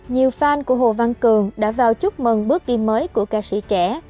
nhiều fan của hồ văn cường đã vào chúc mừng bước đi mới của ca sĩ trẻ